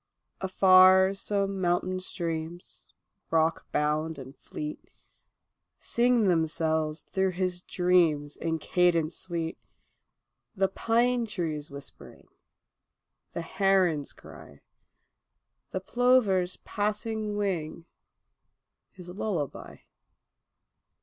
Afar some mountain streams, rockbound and fleet, Sing themselves through his dreams in cadence sweet, The pine trees whispering, the heron's cry, The plover's passing wing, his lullaby.